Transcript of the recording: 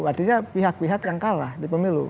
artinya pihak pihak yang kalah di pemilu